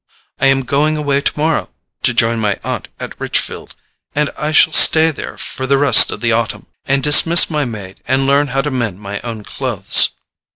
I am going away tomorrow to join my aunt at Richfield, and I shall stay there for the rest of the autumn, and dismiss my maid and learn how to mend my own clothes."